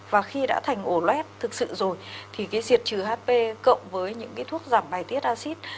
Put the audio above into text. và khi đã thành ổ loét thực sự rồi thì cái diệt trừ hp cộng với những cái thuốc giảm bài tiết acid